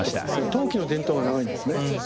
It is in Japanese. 陶器の伝統が長いんですね。